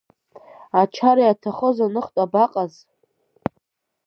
Ачара иаҭахыз аныхтә абаҟаз?!